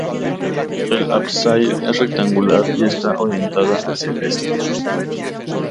El ábside es rectangular y está orientada hacia el este.